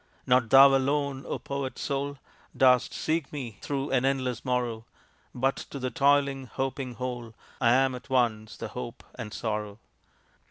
Not thou alone, O poet soul, Dost seek me through an endless morrow, But to the toiling, hoping whole I am at once the hope and sorrow.